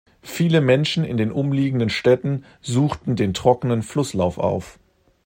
Viele Menschen in den umliegenden Städten suchten den trockenen Flusslauf auf.